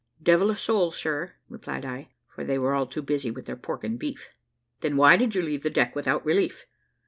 `Devil a soul, sir,' replied I; `for they were all too busy with their pork and beef.' `Then why did you leave the deck without relief?'